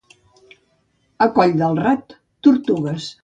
A Colldelrat, tortugues.